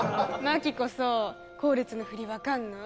眞妃こそ後列の振り分かんの？